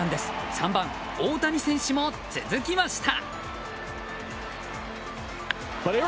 ３番、大谷選手も続きました！